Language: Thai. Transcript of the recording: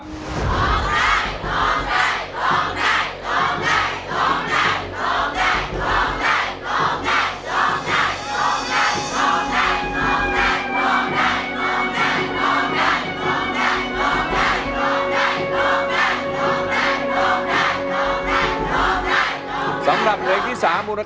โทษใจโทษใจโทษใจโทษใจโทษใจโทษใจ